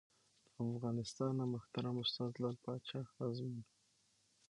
له افغانستانه محترم استاد لعل پاچا ازمون